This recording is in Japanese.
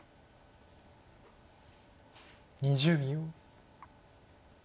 ２０秒。